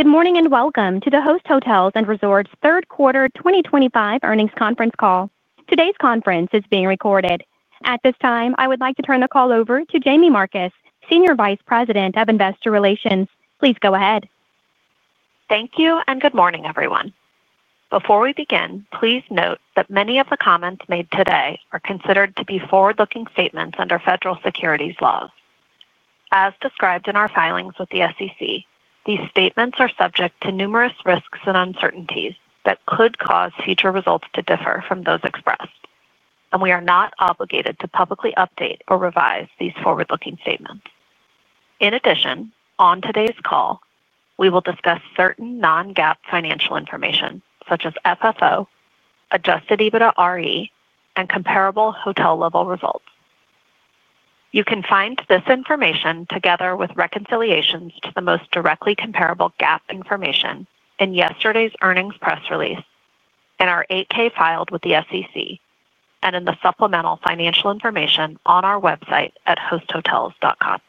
Good morning and welcome to the Host Hotels & Resorts third quarter 2025 earnings conference call. Today's conference is being recorded. At this time, I would like to turn the call over to Jaime Marcus, Senior Vice President of Investor Relations. Please go ahead. Thank you and good morning, everyone. Before we begin, please note that many of the comments made today are considered to be forward-looking statements under federal securities laws. As described in our filings with the SEC, these statements are subject to numerous risks and uncertainties that could cause future results to differ from those expressed, and we are not obligated to publicly update or revise these forward-looking statements. In addition, on today's call, we will discuss certain Non-GAAP financial information such as FFO, Adjusted EBITDAre, and comparable hotel-level results. You can find this information together with reconciliations to the most directly comparable GAAP information in yesterday's earnings press release, in our 8-K filed with the SEC, and in the supplemental financial information on our website at hosthotels.com.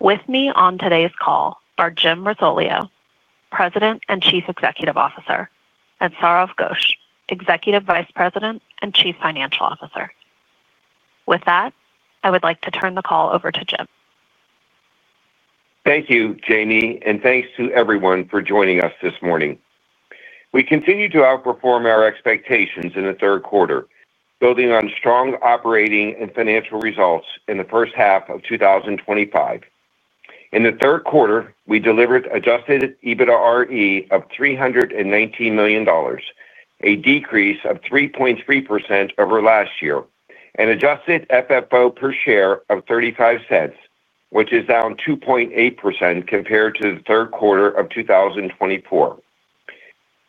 With me on today's call are Jim Risoleo, President and Chief Executive Officer, and Sourav Ghosh, Executive Vice President and Chief Financial Officer. With that, I would like to turn the call over to Jim. Thank you, Jaime, and thanks to everyone for joining us this morning. We continue to outperform our expectations in the third quarter, building on strong operating and financial results in the first half of 2025. In the third quarter, we delivered Adjusted EBITDAre of $319 million, a decrease of 3.3% over last year, and adjusted FFO per share of $0.35, which is down 2.8% compared to the third quarter of 2024.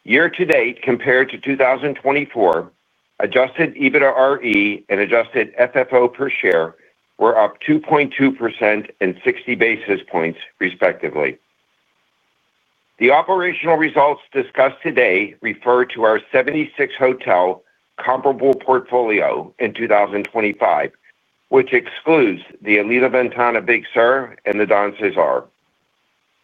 Year-to-date, compared to 2024, Adjusted EBITDAre and adjusted FFO per share were up 2.2% and 60 basis points, respectively. The operational results discussed today refer to our 76-hotel comparable portfolio in 2025, which excludes the Alila Ventana Big Sur and The Don CeSar.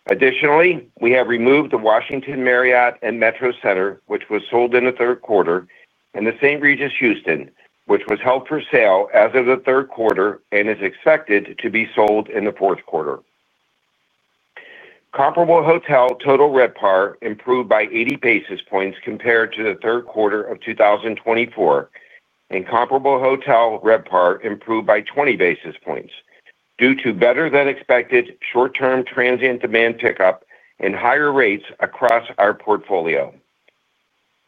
Additionally, we have removed the Washington Marriott Metro Center, which was sold in the third quarter, and the St. Regis Houston, which was held for sale as of the third quarter and is expected to be sold in the fourth quarter. Comparable hotel total RevPAR improved by 80 basis points compared to the third quarter of 2024. Comparable hotel RevPAR improved by 20 basis points due to better-than-expected short-term transient demand pickup and higher rates across our portfolio.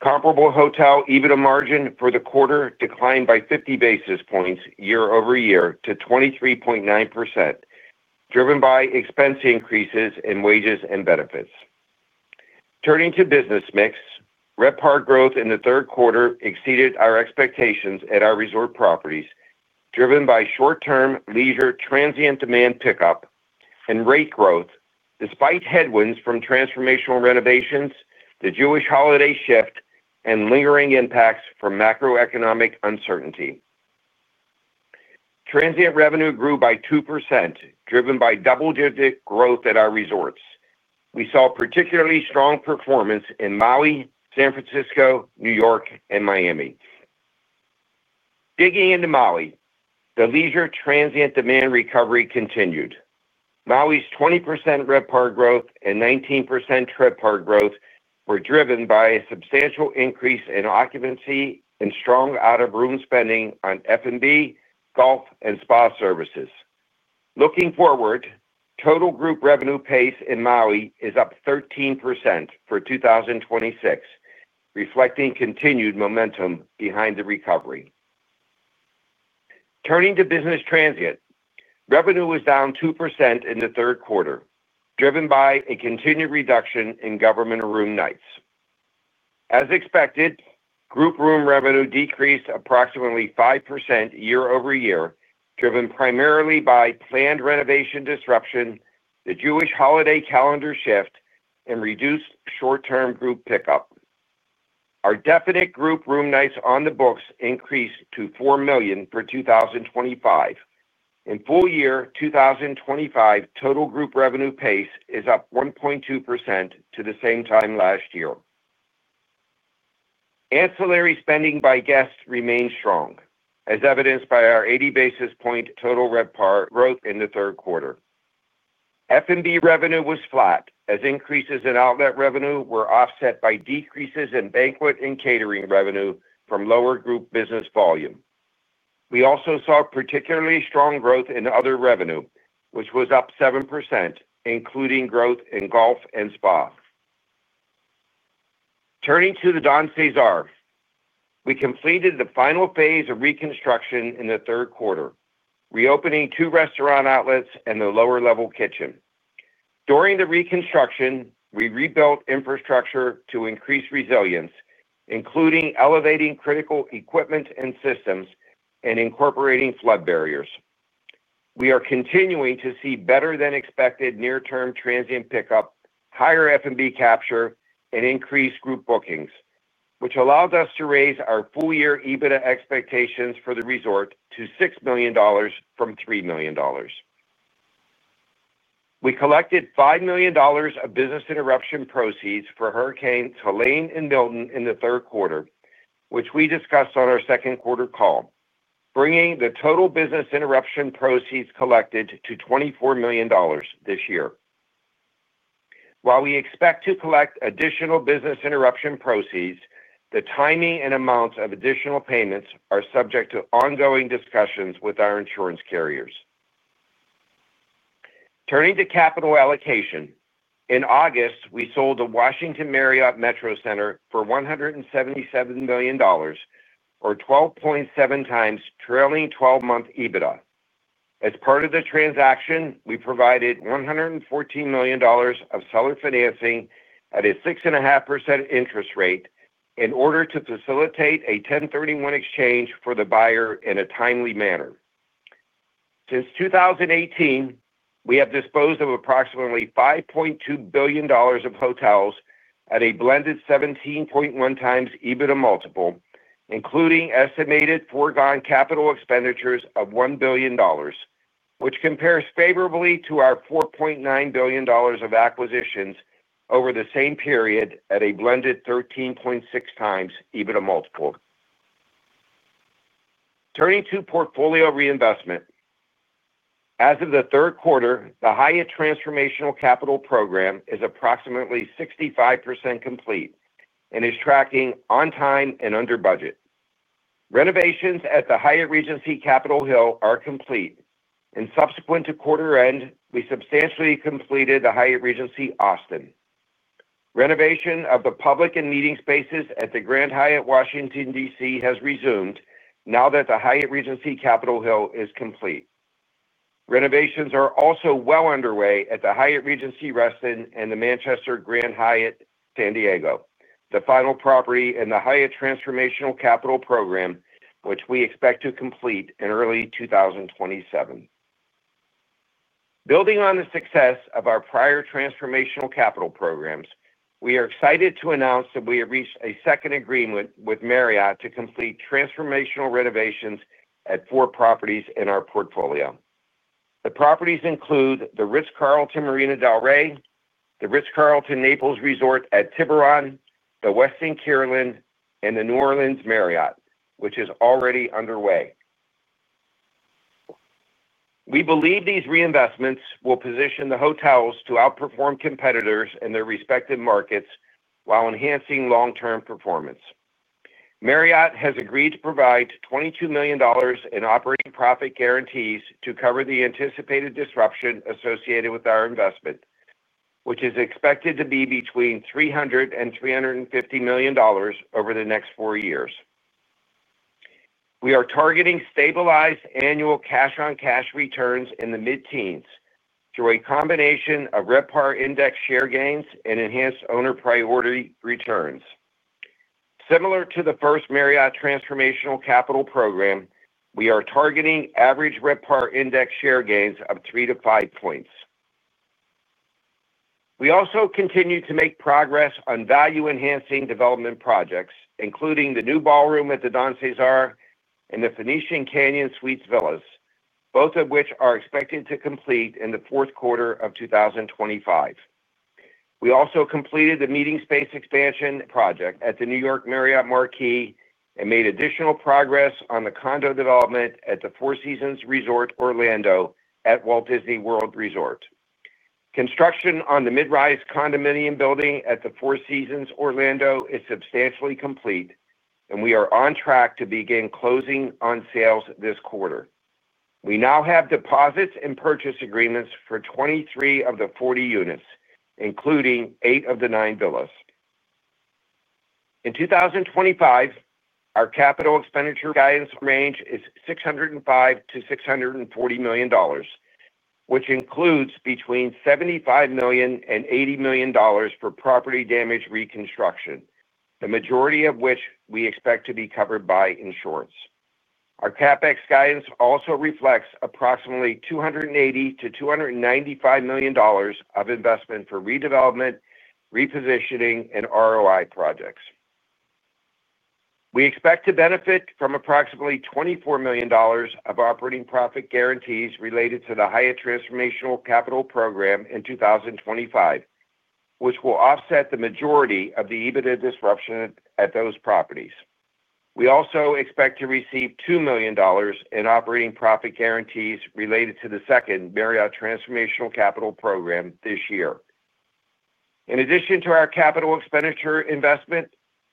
Comparable hotel EBITDA margin for the quarter declined by 50 basis points year-over-year to 23.9%, driven by expense increases in wages and benefits. Turning to business mix, RevPAR growth in the third quarter exceeded our expectations at our resort properties, driven by short-term leisure transient demand pickup and rate growth despite headwinds from transformational renovations, the Jewish holiday shift, and lingering impacts from macroeconomic uncertainty. Transient revenue grew by 2%, driven by double-digit growth at our resorts. We saw particularly strong performance in Maui, San Francisco, New York, and Miami. Digging into Maui, the leisure transient demand recovery continued. Maui's 20% RevPAR growth and 19% RevPAR growth were driven by a substantial increase in occupancy and strong out-of-room spending on F&B, golf, and spa services. Looking forward, total group revenue pace in Maui is up 13% for 2026, reflecting continued momentum behind the recovery. Turning to business transient, revenue was down 2% in the third quarter, driven by a continued reduction in government room nights. As expected, group room revenue decreased approximately 5% year-over-year, driven primarily by planned renovation disruption, the Jewish holiday calendar shift, and reduced short-term group pickup. Our definite group room nights on the books increased to 4 million for 2025. Full-year 2025 total group revenue pace is up 1.2% to the same time last year. Ancillary spending by guests remained strong, as evidenced by our 80 basis point total RevPAR growth in the third quarter. F&B revenue was flat, as increases in outlet revenue were offset by decreases in banquet and catering revenue from lower group business volume. We also saw particularly strong growth in other revenue, which was up 7%, including growth in golf and spa. Turning to The Don CeSar, we completed the final phase of reconstruction in the third quarter, reopening two restaurant outlets and the lower-level kitchen. During the reconstruction, we rebuilt infrastructure to increase resilience, including elevating critical equipment and systems and incorporating flood barriers. We are continuing to see better-than-expected near-term transient pickup, higher F&B capture, and increased group bookings, which allowed us to raise our full-year EBITDA expectations for the resort to $6 million from $3 million. We collected $5 million of business interruption proceeds for Hurricanes Helene and Milton in the third quarter, which we discussed on our second quarter call, bringing the total business interruption proceeds collected to $24 million this year. While we expect to collect additional business interruption proceeds, the timing and amounts of additional payments are subject to ongoing discussions with our insurance carriers. Turning to capital allocation, in August, we sold the Washington Marriott Metro Center for $177 million. Or 12.7 times trailing 12-month EBITDA. As part of the transaction, we provided $114 million of seller financing at a 6.5% interest rate in order to facilitate a 1031 exchange for the buyer in a timely manner. Since 2018, we have disposed of approximately $5.2 billion of hotels at a blended 17.1 times EBITDA multiple, including estimated foregone capital expenditures of $1 billion, which compares favorably to our $4.9 billion of acquisitions over the same period at a blended 13.6 times EBITDA multiple. Turning to portfolio reinvestment. As of the third quarter, the Hyatt Transformational Capital Program is approximately 65% complete and is tracking on time and under budget. Renovations at the Hyatt Regency Capitol Hill are complete. Subsequent to quarter-end, we substantially completed the Hyatt Regency Austin. Renovation of the public and meeting spaces at the Grand Hyatt Washington, D.C., has resumed now that the Hyatt Regency Capitol Hill is complete. Renovations are also well underway at the Hyatt Regency Reston and the Manchester Grand Hyatt San Diego, the final property in the Hyatt Transformational Capital Program, which we expect to complete in early 2027. Building on the success of our prior Transformational Capital Programs, we are excited to announce that we have reached a second agreement with Marriott to complete transformational renovations at four properties in our portfolio. The properties include the Ritz-Carlton Marina del Rey, the Ritz-Carlton Naples, Tiburón, the Westin Kierland, and the New Orleans Marriott, which is already underway. We believe these reinvestments will position the hotels to outperform competitors in their respective markets while enhancing long-term performance. Marriott has agreed to provide $22 million in operating profit guarantees to cover the anticipated disruption associated with our investment, which is expected to be between $300 million and $350 million over the next four years. We are targeting stabilized annual cash-on-cash returns in the mid-teens through a combination of RevPAR index share gains and enhanced owner priority returns. Similar to the first Marriott Transformational Capital Program, we are targeting average RevPAR index share gains of 3-5 points. We also continue to make progress on value-enhancing development projects, including the new ballroom at The Don CeSar and The Phoenician Canyon Suites Villas, both of which are expected to complete in the fourth quarter of 2025. We also completed the meeting space expansion project at the New York Marriott Marquis and made additional progress on the condo development at the Four Seasons Resort Orlando at Walt Disney World Resort. Construction on the Mid-Rise Condominium Building at the Four Seasons Orlando is substantially complete, and we are on track to begin closing on sales this quarter. We now have deposits and purchase agreements for 23 of the 40 units, including 8 of the 9 villas. In 2025, our capital expenditure guidance range is $605 million-$640 million, which includes between $75 million and $80 million for property damage reconstruction, the majority of which we expect to be covered by insurance. Our CapEx guidance also reflects approximately $280 million-$295 million of investment for redevelopment, repositioning, and ROI projects. We expect to benefit from approximately $24 million of operating profit guarantees related to the Hyatt Transformational Capital Program in 2025, which will offset the majority of the EBITDA disruption at those properties. We also expect to receive $2 million in operating profit guarantees related to the second Marriott Transformational Capital Program this year. In addition to our capital expenditure investment,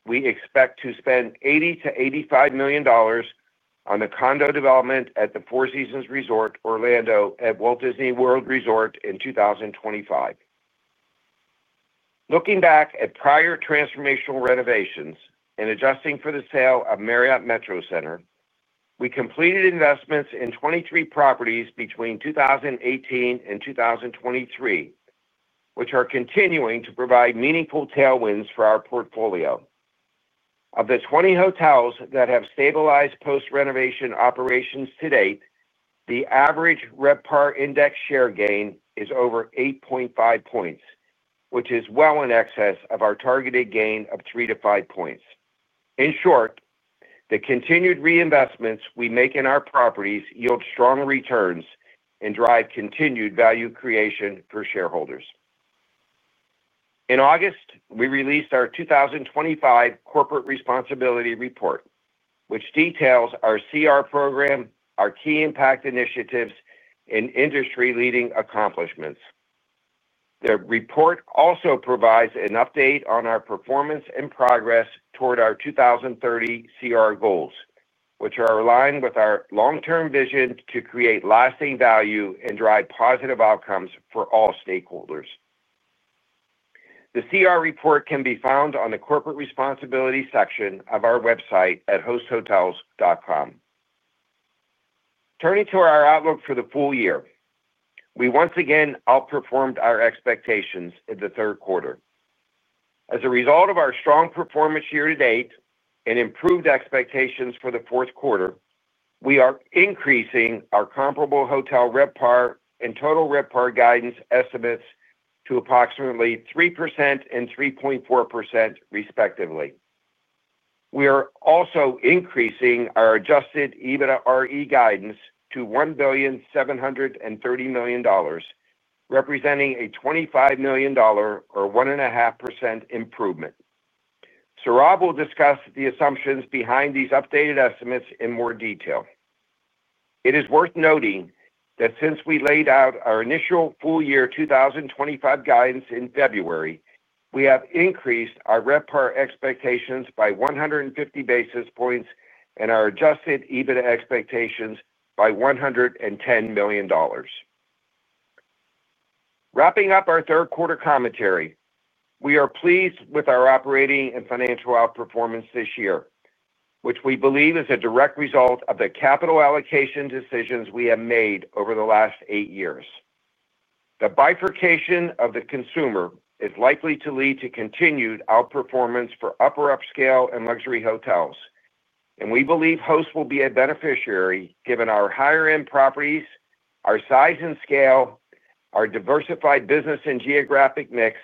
we expect to spend $80 million-$85 million on the condo development at the Four Seasons Resort Orlando at Walt Disney World Resort in 2025. Looking back at prior transformational renovations and adjusting for the sale of Marriott Metro Center, we completed investments in 23 properties between 2018 and 2023. Which are continuing to provide meaningful tailwinds for our portfolio. Of the 20 hotels that have stabilized post-renovation operations to date, the average RevPAR index share gain is over 8.5 points, which is well in excess of our targeted gain of 3-5 points. In short, the continued reinvestments we make in our properties yield strong returns and drive continued value creation for shareholders. In August, we released our 2025 Corporate Responsibility Report, which details our CR program, our key impact initiatives, and industry-leading accomplishments. The report also provides an update on our performance and progress toward our 2030 CR goals, which are aligned with our long-term vision to create lasting value and drive positive outcomes for all stakeholders. The CR report can be found on the Corporate Responsibility section of our website at hosthotels.com. Turning to our outlook for the full year, we once again outperformed our expectations in the third quarter. As a result of our strong performance year to date and improved expectations for the fourth quarter, we are increasing our comparable hotel RevPAR and total RevPAR guidance estimates to approximately 3% and 3.4%, respectively. We are also increasing our Adjusted EBITDAre guidance to $1,730 million, representing a $25 million, or 1.5%, improvement. Sourav will discuss the assumptions behind these updated estimates in more detail. It is worth noting that since we laid out our initial full-year 2025 guidance in February, we have increased our RevPAR expectations by 150 basis points and our Adjusted EBITDAre expectations by $110 million. Wrapping up our third quarter commentary, we are pleased with our operating and financial outperformance this year, which we believe is a direct result of the capital allocation decisions we have made over the last eight years. The bifurcation of the consumer is likely to lead to continued outperformance for upper-upscale and luxury hotels, and we believe Host will be a beneficiary given our higher-end properties, our size and scale, our diversified business and geographic mix,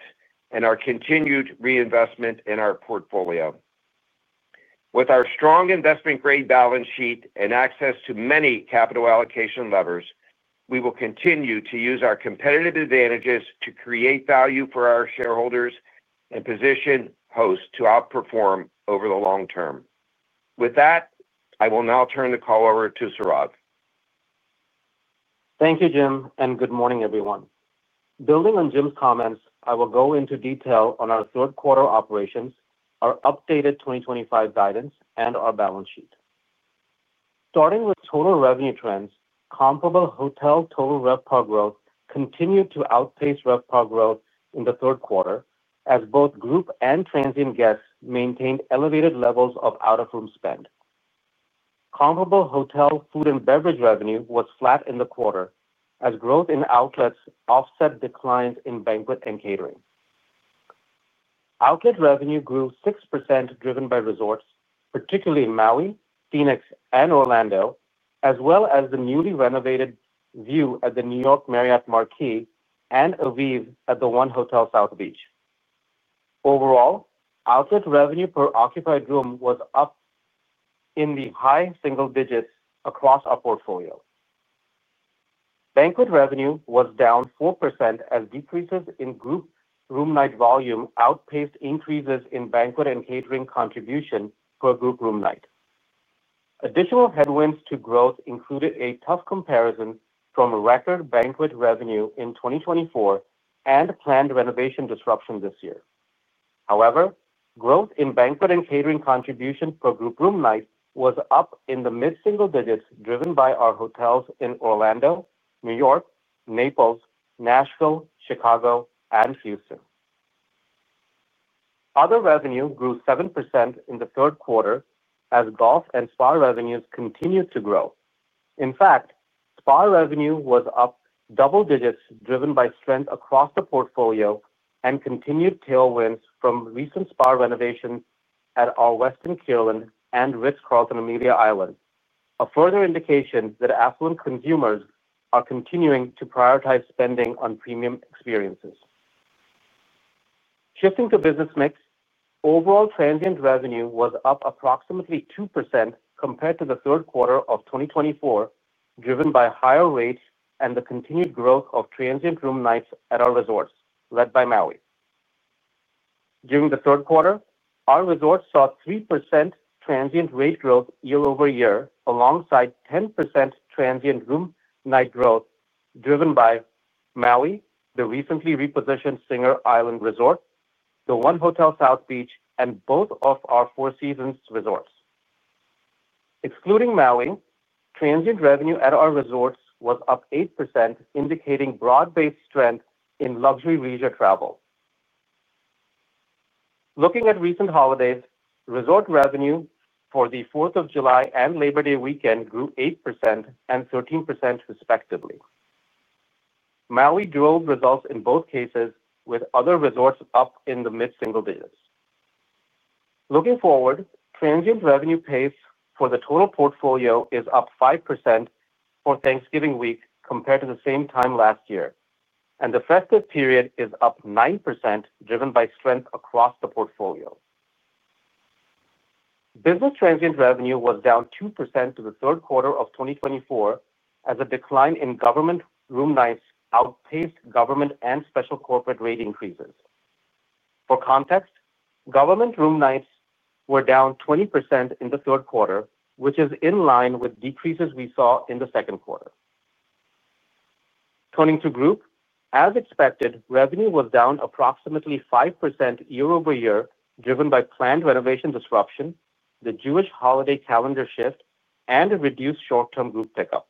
and our continued reinvestment in our portfolio. With our strong investment-grade balance sheet and access to many capital allocation levers, we will continue to use our competitive advantages to create value for our shareholders and position Host to outperform over the long term. With that, I will now turn the call over to Sourav. Thank you, Jim, and good morning, everyone. Building on Jim's comments, I will go into detail on our third quarter operations, our updated 2025 guidance, and our balance sheet. Starting with total revenue trends, comparable hotel total RevPAR growth continued to outpace RevPAR growth in the third quarter as both group and transient guests maintained elevated levels of out-of-room spend. Comparable hotel food and beverage revenue was flat in the quarter as growth in outlets offset declines in banquet and catering. Outlet revenue grew 6%, driven by resorts, particularly Maui, Phoenix, and Orlando, as well as the newly renovated View at the New York Marriott Marquis and Avive at the 1 Hotel South Beach. Overall, outlet revenue per occupied room was up in the high single digits across our portfolio. Banquet revenue was down 4% as decreases in group room night volume outpaced increases in banquet and catering contribution per group room night. Additional headwinds to growth included a tough comparison from record banquet revenue in 2024 and planned renovation disruption this year. However, growth in banquet and catering contribution per group room night was up in the mid-single digits, driven by our hotels in Orlando, New York, Naples, Nashville, Chicago, and Houston. Other revenue grew 7% in the third quarter as golf and spa revenues continued to grow. In fact, spa revenue was up double digits, driven by strength across the portfolio and continued tailwinds from recent spa renovations at our Westin Kierland and Ritz-Carlton Amelia Island, a further indication that affluent consumers are continuing to prioritize spending on premium experiences. Shifting to business mix, overall transient revenue was up approximately 2% compared to the third quarter of 2024, driven by higher rates and the continued growth of transient room nights at our resorts led by Maui. During the third quarter, our resorts saw 3% transient rate growth year-over-year, alongside 10% transient room night growth driven by Maui, the recently repositioned Singer Island Resort, the 1 Hotel South Beach, and both of our Four Seasons Resorts. Excluding Maui, transient revenue at our resorts was up 8%, indicating broad-based strength in luxury leisure travel. Looking at recent holidays, resort revenue for the 4th of July and Labor Day weekend grew 8% and 13%, respectively. Maui drove results in both cases, with other resorts up in the mid-single digits. Looking forward, transient revenue pace for the total portfolio is up 5% for Thanksgiving week compared to the same time last year, and the festive period is up 9%, driven by strength across the portfolio. Business transient revenue was down 2% to the third quarter of 2024 as a decline in government room nights outpaced government and special corporate rate increases. For context, government room nights were down 20% in the third quarter, which is in line with decreases we saw in the second quarter. Turning to group, as expected, revenue was down approximately 5% year-over-year, driven by planned renovation disruption, the Jewish holiday calendar shift, and a reduced short-term group pickup.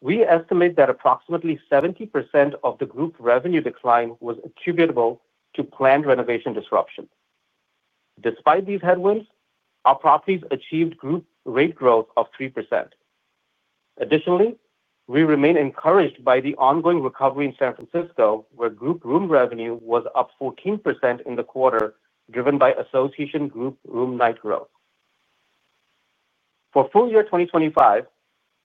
We estimate that approximately 70% of the group revenue decline was attributable to planned renovation disruption. Despite these headwinds, our properties achieved group rate growth of 3%. Additionally, we remain encouraged by the ongoing recovery in San Francisco, where group room revenue was up 14% in the quarter, driven by association group room night growth. For full year 2025,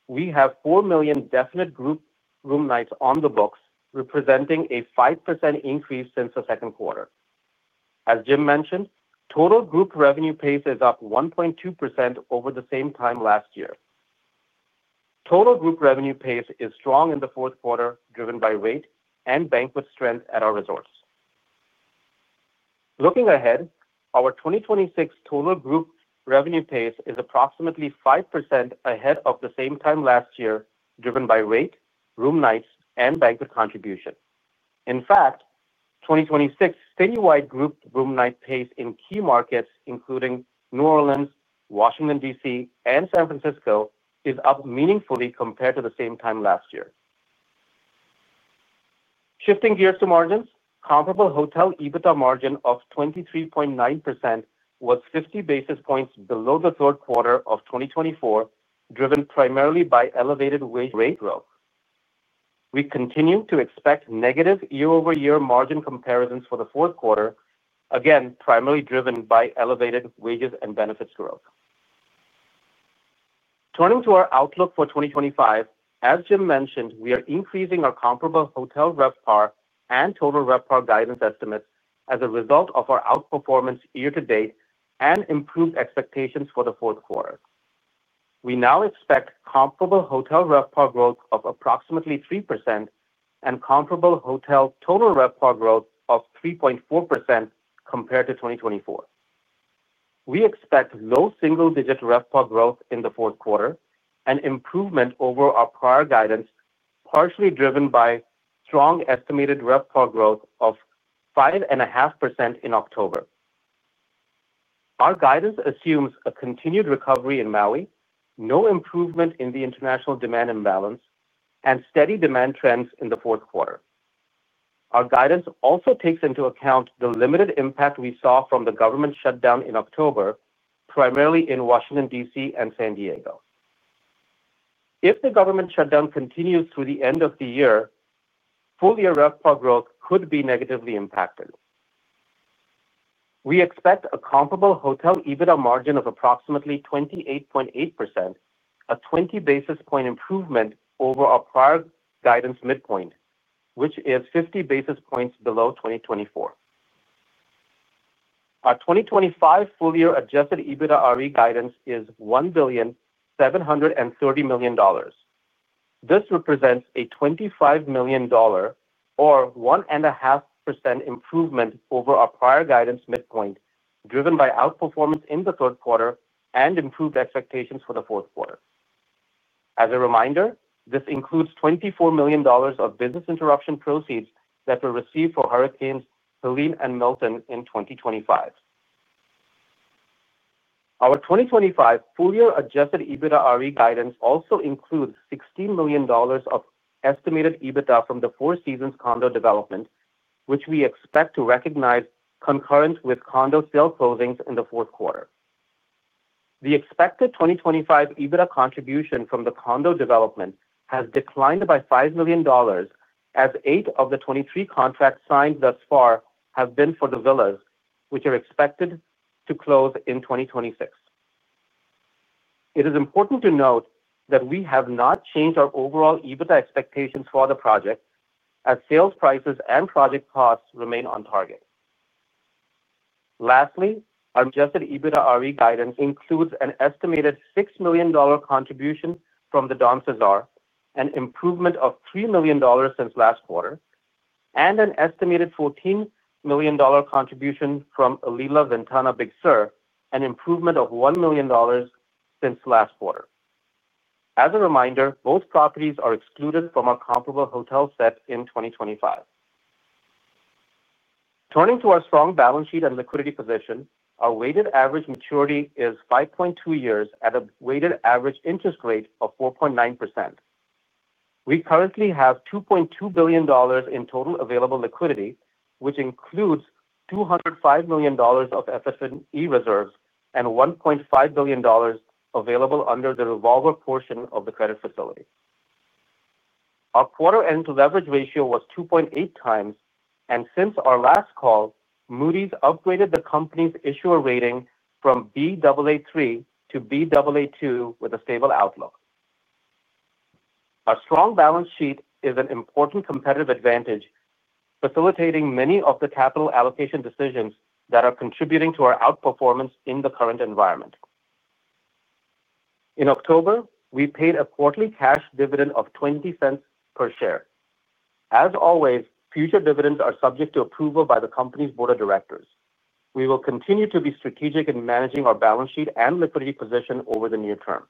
we have 4 million definite group room nights on the books, representing a 5% increase since the second quarter. As Jim mentioned, total group revenue pace is up 1.2% over the same time last year. Total group revenue pace is strong in the fourth quarter, driven by rate and banquet strength at our resorts. Looking ahead, our 2026 total group revenue pace is approximately 5% ahead of the same time last year, driven by rate, room nights, and banquet contribution. In fact, 2026 citywide group room night pace in key markets, including New Orleans, Washington, D.C., and San Francisco, is up meaningfully compared to the same time last year. Shifting gears to margins, comparable hotel EBITDA margin of 23.9% was 50 basis points below the third quarter of 2024, driven primarily by elevated wage rate growth. We continue to expect negative year-over-year margin comparisons for the fourth quarter, again primarily driven by elevated wages and benefits growth. Turning to our outlook for 2025, as Jim mentioned, we are increasing our comparable hotel RevPAR and total RevPAR guidance estimates as a result of our outperformance year to date and improved expectations for the fourth quarter. We now expect comparable hotel RevPAR growth of approximately 3% and comparable hotel total RevPAR growth of 3.4% compared to 2024. We expect low single-digit RevPAR growth in the fourth quarter and improvement over our prior guidance, partially driven by strong estimated RevPAR growth of 5.5% in October. Our guidance assumes a continued recovery in Maui, no improvement in the international demand imbalance, and steady demand trends in the fourth quarter. Our guidance also takes into account the limited impact we saw from the government shutdown in October, primarily in Washington, D.C., and San Diego. If the government shutdown continues through the end of the year, full-year RevPAR growth could be negatively impacted. We expect a comparable hotel EBITDA margin of approximately 28.8%, a 20 basis point improvement over our prior guidance midpoint, which is 50 basis points below 2024. Our 2025 full-year Adjusted EBITDAre guidance is $1,730 million. This represents a $25 million, or 1.5% improvement over our prior guidance midpoint, driven by outperformance in the third quarter and improved expectations for the fourth quarter. As a reminder, this includes $24 million of business interruption proceeds that were received for Hurricanes Helene and Milton in 2025. Our 2025 full-year Adjusted EBITDAre guidance also includes $16 million of estimated EBITDA from the Four Seasons condo development, which we expect to recognize concurrent with condo sale closings in the fourth quarter. The expected 2025 EBITDA contribution from the condo development has declined by $5 million, as eight of the 23 contracts signed thus far have been for the villas, which are expected to close in 2026. It is important to note that we have not changed our overall EBITDA expectations for the project, as sales prices and project costs remain on target. Lastly, our Adjusted EBITDAre guidance includes an estimated $6 million contribution from The Don CeSar, an improvement of $3 million since last quarter, and an estimated $14 million contribution from Alila Ventana Big Sur, an improvement of $1 million since last quarter. As a reminder, both properties are excluded from our comparable hotel sets in 2025. Turning to our strong balance sheet and liquidity position, our weighted average maturity is 5.2 years at a weighted average interest rate of 4.9%. We currently have $2.2 billion in total available liquidity, which includes $205 million of FS&E reserves and $1.5 billion available under the revolver portion of the credit facility. Our quarter-end leverage ratio was 2.8 times, and since our last call, Moody's upgraded the company's issuer rating from Baa3 to Baa2 with a stable outlook. Our strong balance sheet is an important competitive advantage, facilitating many of the capital allocation decisions that are contributing to our outperformance in the current environment. In October, we paid a quarterly cash dividend of $0.20 per share. As always, future dividends are subject to approval by the company's board of directors. We will continue to be strategic in managing our balance sheet and liquidity position over the near term.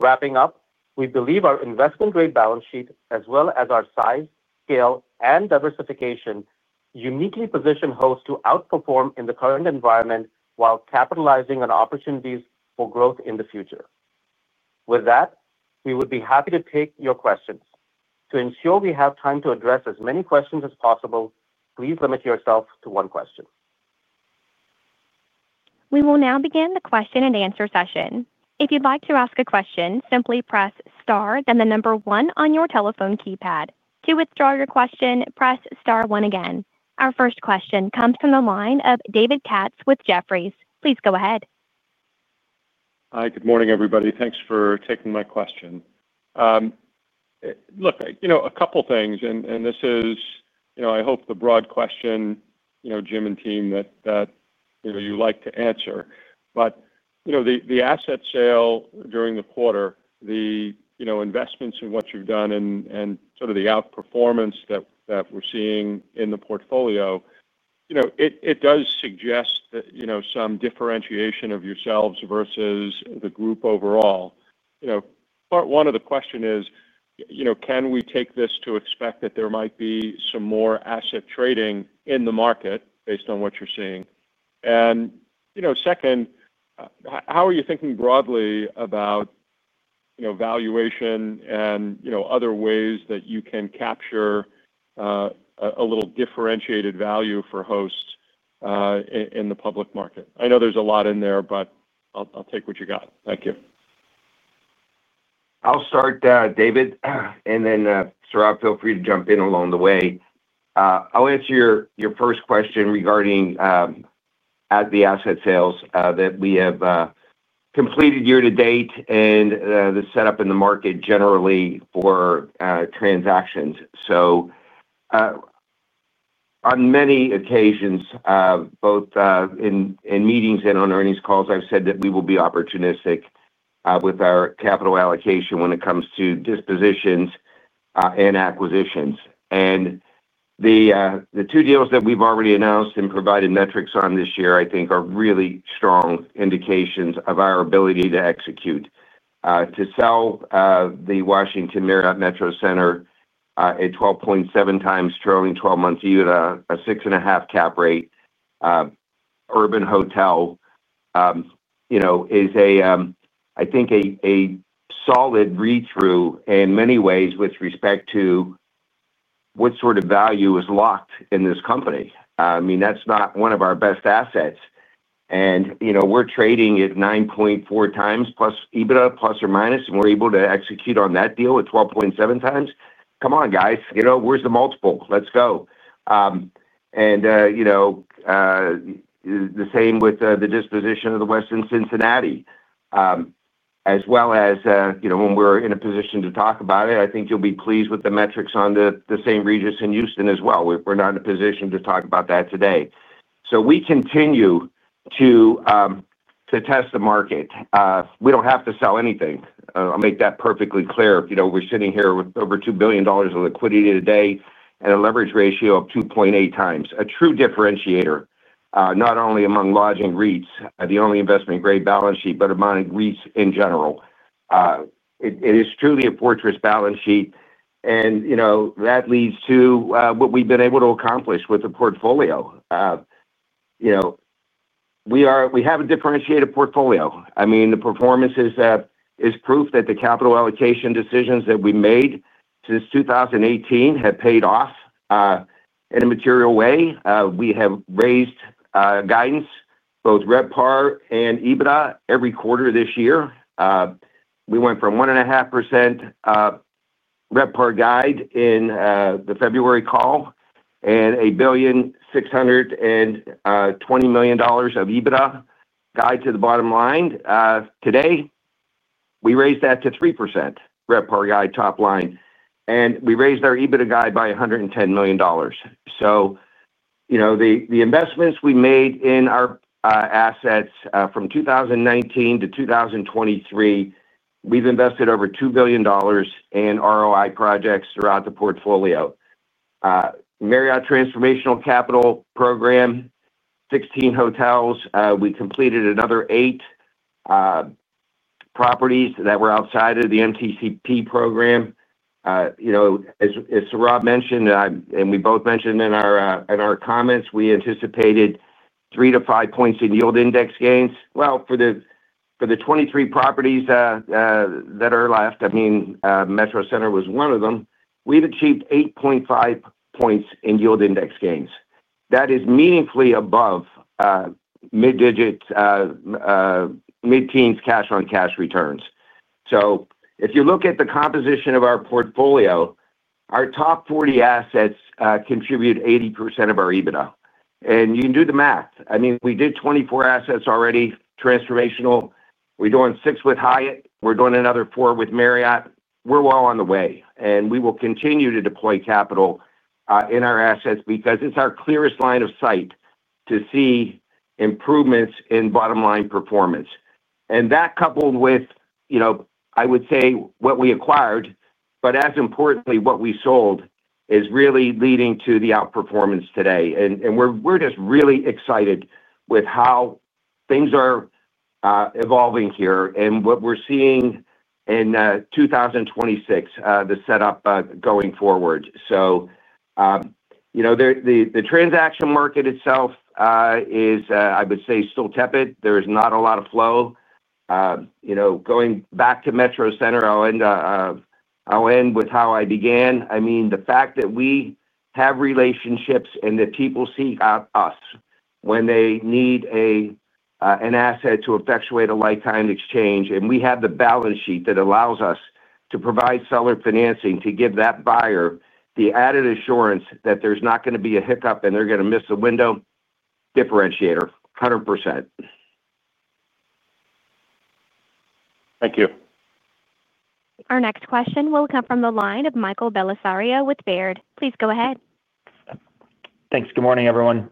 Wrapping up, we believe our investment-grade balance sheet, as well as our size, scale, and diversification, uniquely position Host to outperform in the current environment while capitalizing on opportunities for growth in the future. With that, we would be happy to take your questions. To ensure we have time to address as many questions as possible, please limit yourself to one question. We will now begin the question-and-answer session. If you'd like to ask a question, simply press Star, then the number one on your telephone keypad. To withdraw your question, press Star one again. Our first question comes from the line of David Katz with Jefferies. Please go ahead. Hi, good morning, everybody. Thanks for taking my question. Look, you know, a couple of things, and this is, you know, I hope the broad question, you know, Jim and team, that you like to answer. The asset sale during the quarter, the investments in what you've done and sort of the outperformance that we're seeing in the portfolio, it does suggest that some differentiation of yourselves versus the group overall. Part one of the question is, can we take this to expect that there might be some more asset trading in the market based on what you're seeing? Second, how are you thinking broadly about valuation and other ways that you can capture a little differentiated value for Host in the public market? I know there's a lot in there, but I'll take what you got. Thank you. I'll start, David, and then Sourav, feel free to jump in along the way. I'll answer your first question regarding the asset sales that we have completed year to date and the setup in the market generally for transactions. On many occasions, both in meetings and on earnings calls, I've said that we will be opportunistic with our capital allocation when it comes to dispositions and acquisitions. The two deals that we've already announced and provided metrics on this year, I think, are really strong indications of our ability to execute. To sell the Washington Marriott Metro Center at a 12.7 times trailing 12-month yield, a 6.5% cap rate, urban hotel, you know, is a, I think, a solid read-through in many ways with respect to what sort of value is locked in this company. I mean, that's not one of our best assets. You know, we're trading at 9.4 times plus EBITDA, plus or minus, and we're able to execute on that deal at 12.7 times. Come on, guys, you know, where's the multiple? Let's go. You know, the same with the disposition of the Westin Cincinnati. As well as, you know, when we're in a position to talk about it, I think you'll be pleased with the metrics on the St. Regis in Houston as well. We're not in a position to talk about that today. We continue to test the market. We don't have to sell anything. I'll make that perfectly clear. You know, we're sitting here with over $2 billion of liquidity today and a leverage ratio of 2.8 times. A true differentiator, not only among lodging REITs, the only investment-grade balance sheet, but among REITs in general. It is truly a fortress balance sheet. And, you know, that leads to what we've been able to accomplish with the portfolio. You know. We have a differentiated portfolio. I mean, the performance is proof that the capital allocation decisions that we made since 2018 have paid off. In a material way. We have raised guidance, both RevPAR and EBITDA, every quarter this year. We went from 1.5% RevPAR guide in the February call and $1,620 million of EBITDA guide to the bottom line. Today. We raised that to 3% RevPAR guide top line. And we raised our EBITDA guide by $110 million. So, you know, the investments we made in our assets from 2019 to 2023, we've invested over $2 billion in ROI projects throughout the portfolio. Marriott Transformational Capital Program. 16 hotels. We completed another eight. Properties that were outside of the MTCP program. You know, as Sourav Ghosh mentioned, and we both mentioned in our comments, we anticipated 3-5 points in yield index gains. For the 23 properties that are left, I mean, Metro Center was one of them, we've achieved 8.5 points in yield index gains. That is meaningfully above mid-digits. Mid-teens cash-on-cash returns. If you look at the composition of our portfolio, our top 40 assets contribute 80% of our EBITDA. You can do the math. I mean, we did 24 assets already, transformational. We're doing six with Hyatt. We're doing another four with Marriott. We're well on the way. We will continue to deploy capital in our assets because it's our clearest line of sight to see improvements in bottom line performance. That coupled with, you know, I would say what we acquired, but as importantly, what we sold is really leading to the outperformance today. We're just really excited with how things are evolving here and what we're seeing in 2026, the setup going forward. You know, the transaction market itself is, I would say, still tepid. There is not a lot of flow. You know, going back to Metro Center, I'll end with how I began. I mean, the fact that we have relationships and that people seek out us when they need an asset to effectuate a lifetime exchange, and we have the balance sheet that allows us to provide seller financing to give that buyer the added assurance that there's not going to be a hiccup and they're going to miss the window. Differentiator, 100%. Thank you. Our next question will come from the line of Michael Bellisario with Baird. Please go ahead. Thanks. Good morning, everyone.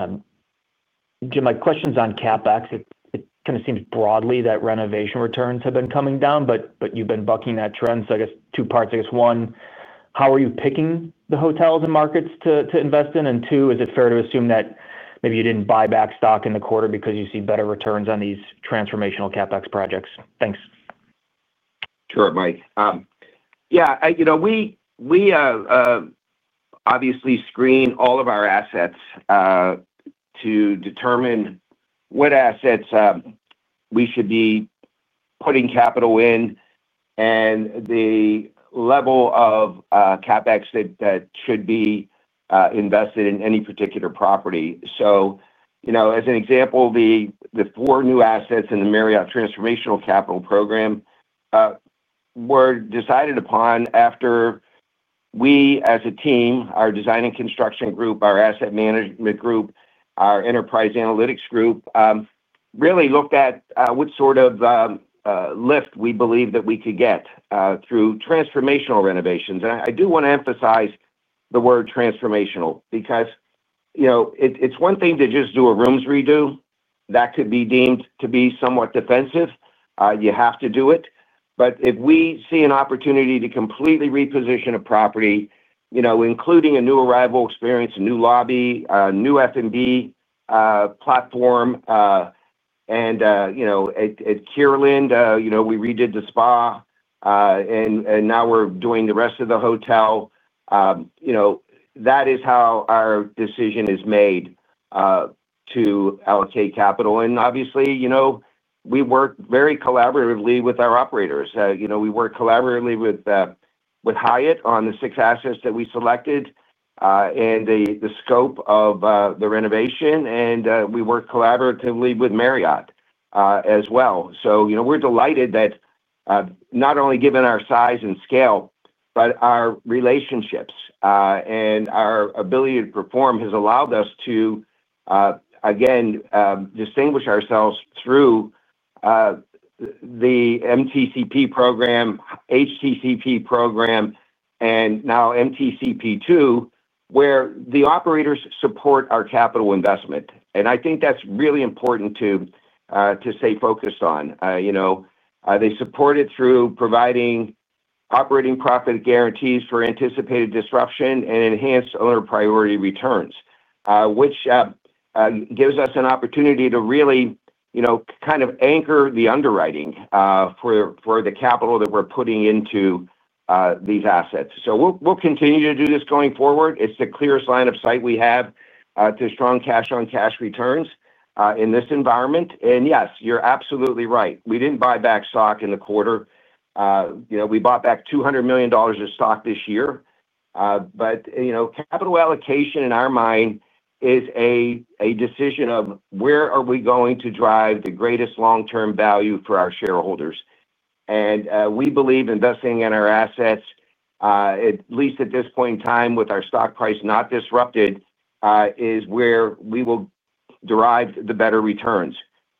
Jim, my question is on CapEx. It kind of seems broadly that renovation returns have been coming down, but you've been bucking that trend. I guess two parts. I guess one, how are you picking the hotels and markets to invest in? And two, is it fair to assume that maybe you did not buy back stock in the quarter because you see better returns on these transformational CapEx projects? Thanks. Sure, Mike. Yeah, you know, we obviously screen all of our assets to determine what assets we should be putting capital in and the level of CapEx that should be invested in any particular property. As an example, the four new assets in the Marriott Transformational Capital Program were decided upon after. We, as a team, our design and construction group, our asset management group, our enterprise analytics group, really looked at what sort of lift we believe that we could get through transformational renovations. I do want to emphasize the word transformational because, you know, it's one thing to just do a rooms redo. That could be deemed to be somewhat defensive. You have to do it. If we see an opportunity to completely reposition a property, you know, including a new arrival experience, a new lobby, a new F&B platform, and, you know, at Kierland, you know, we redid the spa, and now we're doing the rest of the hotel, you know, that is how our decision is made to allocate capital. Obviously, you know, we work very collaboratively with our operators. You know, we work collaboratively with Hyatt on the six assets that we selected. The scope of the renovation. We work collaboratively with Marriott as well. You know, we're delighted that not only given our size and scale, but our relationships and our ability to perform has allowed us to again distinguish ourselves through the MTCP program, HTCP program, and now MTCP2, where the operators support our capital investment. I think that's really important to stay focused on. You know, they support it through providing operating profit guarantees for anticipated disruption and enhanced owner priority returns, which gives us an opportunity to really, you know, kind of anchor the underwriting for the capital that we're putting into these assets. We'll continue to do this going forward. It's the clearest line of sight we have to strong cash-on-cash returns in this environment. Yes, you're absolutely right. We didn't buy back stock in the quarter. You know, we bought back $200 million of stock this year. You know, capital allocation in our mind is a decision of where are we going to drive the greatest long-term value for our shareholders. We believe investing in our assets, at least at this point in time, with our stock price not disrupted, is where we will derive the better returns.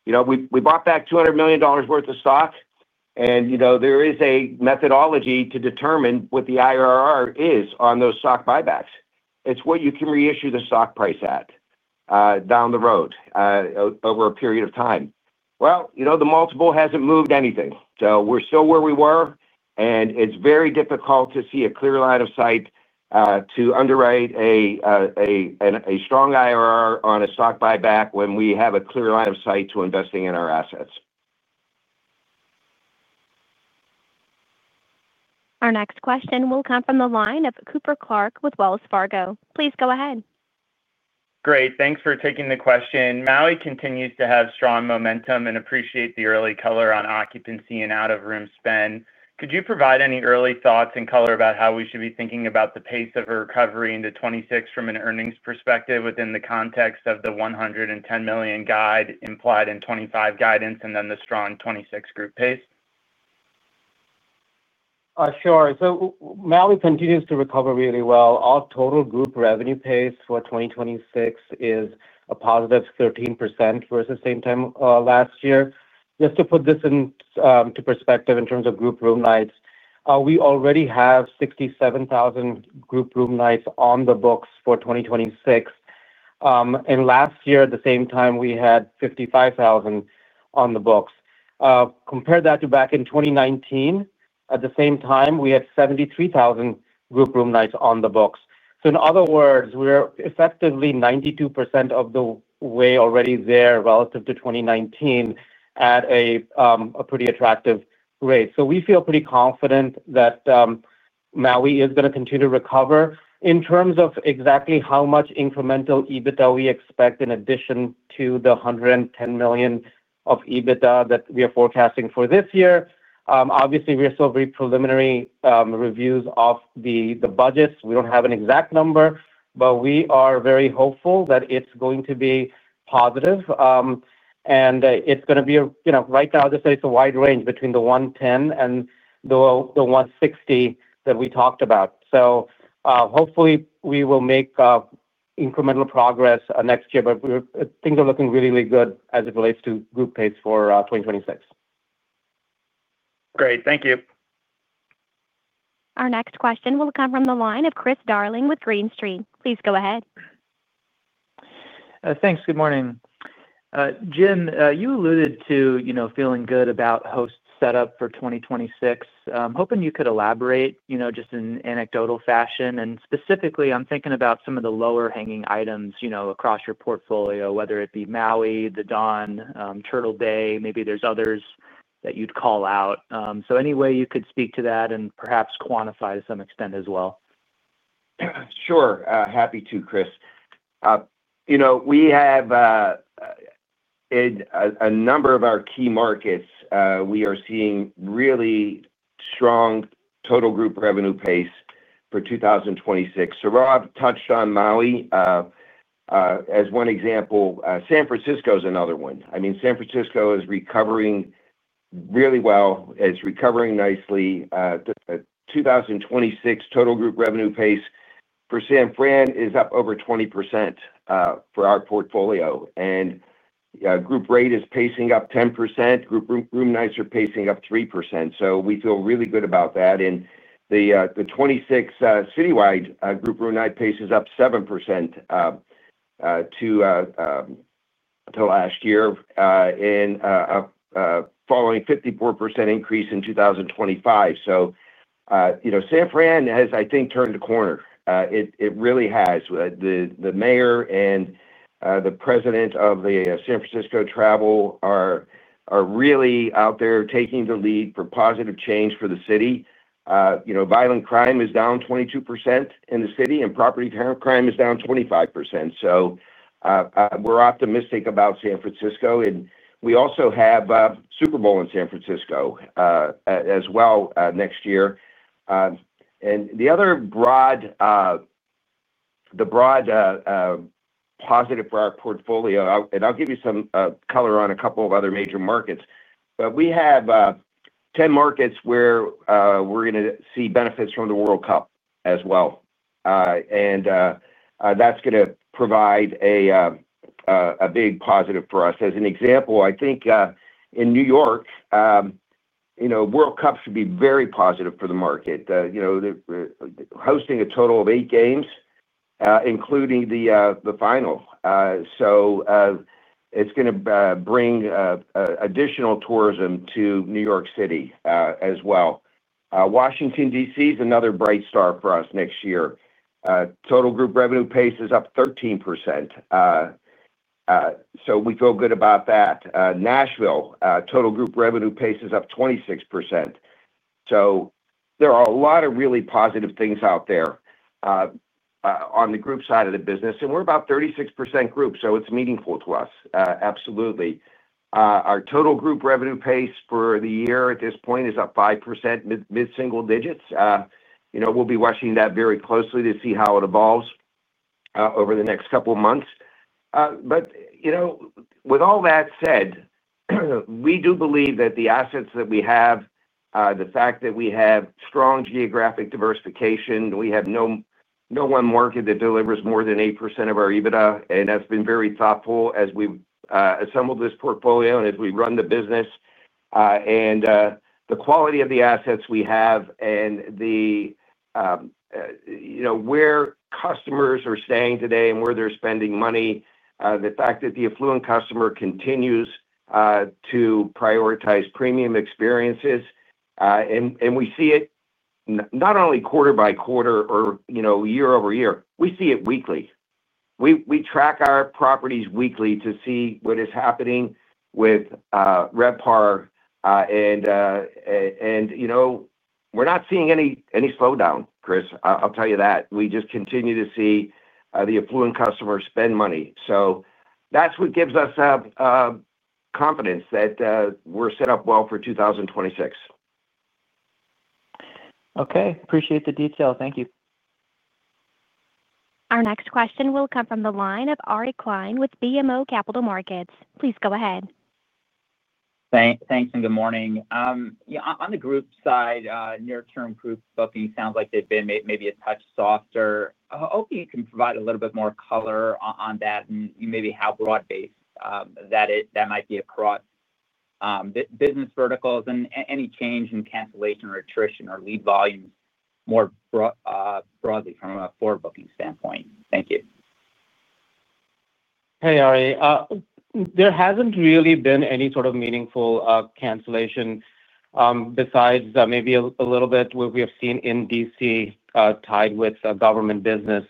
You know, we bought back $200 million worth of stock. You know, there is a methodology to determine what the IRR is on those stock buybacks. It is what you can reissue the stock price at. Down the road. Over a period of time. The multiple has not moved anything. So we are still where we were. It is very difficult to see a clear line of sight to underwrite a. Strong IRR on a stock buyback when we have a clear line of sight to investing in our assets. Our next question will come from the line of Cooper Clark with Wells Fargo. Please go ahead. Great. Thanks for taking the question. Maui continues to have strong momentum and appreciate the early color on occupancy and out-of-room spend. Could you provide any early thoughts and color about how we should be thinking about the pace of a recovery into 2026 from an earnings perspective within the context of the $110 million guide implied in 2025 guidance and then the strong 2026 group pace? Sure. Maui continues to recover really well. Our total group revenue pace for 2026 is a positive 13% versus same time last year. Just to put this into perspective in terms of group room nights, we already have 67,000 group room nights on the books for 2026. Last year, at the same time, we had 55,000 on the books. Compare that to back in 2019. At the same time, we had 73,000 group room nights on the books. In other words, we're effectively 92% of the way already there relative to 2019 at a pretty attractive rate. We feel pretty confident that Maui is going to continue to recover. In terms of exactly how much incremental EBITDA we expect in addition to the $110 million of EBITDA that we are forecasting for this year, obviously, we are still very preliminary reviews of the budgets. We do not have an exact number, but we are very hopeful that it's going to be positive. It's going to be, you know, right now, I'll just say it's a wide range between the $110 and the $160 that we talked about. Hopefully we will make incremental progress next year, but things are looking really, really good as it relates to group pace for 2026. Great. Thank you. Our next question will come from the line of Chris Darling with Green Street. Please go ahead. Thanks. Good morning. Jim, you alluded to, you know, feeling good about Host's setup for 2026. I'm hoping you could elaborate, you know, just in anecdotal fashion. Specifically, I'm thinking about some of the lower-hanging items, you know, across your portfolio, whether it be Maui, The Don, Turtle Bay, maybe there's others that you'd call out. Any way you could speak to that and perhaps quantify to some extent as well. Sure. Happy to, Chris. You know, we have. A number of our key markets. We are seeing really strong total group revenue pace for 2026. Sourav touched on Maui. As one example, San Francisco is another one. I mean, San Francisco is recovering really well, is recovering nicely. The 2026 total group revenue pace for San Francisco is up over 20% for our portfolio. Group rate is pacing up 10%. Group room nights are pacing up 3%. We feel really good about that. The 2026 citywide group room night pace is up 7% to last year, following a 54% increase in 2025. You know, San Francisco has, I think, turned the corner. It really has. The mayor and the president of the San Francisco Travel are really out there taking the lead for positive change for the city. You know, violent crime is down 22% in the city, and property crime is down 25%. We're optimistic about San Francisco. We also have a Super Bowl in San Francisco next year. The other broad positive for our portfolio, and I'll give you some color on a couple of other major markets, but we have 10 markets where we're going to see benefits from the World Cup as well. That's going to provide a big positive for us. As an example, I think in New York, you know, World Cups should be very positive for the market, you know, hosting a total of eight games, including the final. It's going to bring additional tourism to New York City as well. Washington, D.C. is another bright star for us next year. Total group revenue pace is up 13%. We feel good about that. Nashville, total group revenue pace is up 26%. There are a lot of really positive things out there on the group side of the business. We're about 36% group, so it's meaningful to us. Absolutely. Our total group revenue pace for the year at this point is up 5%, mid-single digits. You know, we'll be watching that very closely to see how it evolves over the next couple of months. You know, with all that said, we do believe that the assets that we have, the fact that we have strong geographic diversification, we have no one market that delivers more than 8% of our EBITDA, and that's been very thoughtful as we assemble this portfolio and as we run the business. The quality of the assets we have and the. You know, where customers are staying today and where they're spending money, the fact that the affluent customer continues to prioritize premium experiences. We see it not only quarter by quarter or, you know, year-over-year. We see it weekly. We track our properties weekly to see what is happening with RevPAR. You know, we're not seeing any slowdown, Chris. I'll tell you that. We just continue to see the affluent customer spend money. That is what gives us confidence that we're set up well for 2026. Okay. Appreciate the detail. Thank you. Our next question will come from the line of Ari Klein with BMO Capital Markets. Please go ahead. Thanks and good morning. Yeah, on the group side, near-term group booking sounds like they've been maybe a touch softer. Hopefully, you can provide a little bit more color on that and maybe how broad-based that might be across business verticals and any change in cancellation or attrition or lead volumes more broadly from a floor booking standpoint. Thank you. Hey, Ari. There hasn't really been any sort of meaningful cancellation besides maybe a little bit what we have seen in D.C. tied with government business.